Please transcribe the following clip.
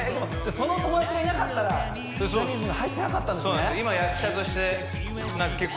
その友達がいなかったらジャニーズに入ってなかったんですねそうなんです